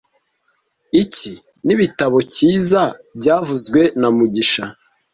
Iki nibitabo cyiza byavuzwe na mugisha